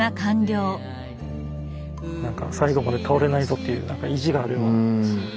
何か最後まで倒れないぞっていう意地があるような感じもしますよね。